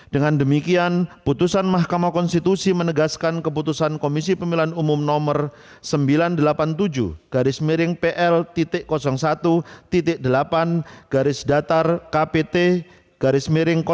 dengan demikian putusan mahkamah konstitusi menegaskan keputusan komisi pemilihan umum nomor sembilan ratus delapan puluh tujuh garis miring pl satu delapan